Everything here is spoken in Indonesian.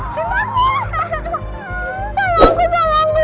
tolongku tolongku tolongku